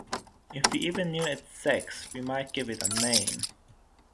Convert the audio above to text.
If we even knew its sex we might give it a name.